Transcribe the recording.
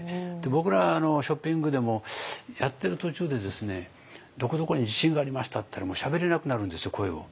僕らショッピングでもやってる途中でどこどこに地震がありましたっていったらもうしゃべれなくなるんですよ声を。